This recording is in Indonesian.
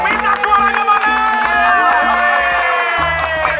minta suaranya banget